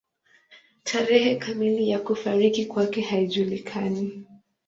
Tarehe kamili ya kufariki kwake haijulikani.